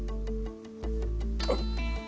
あっ。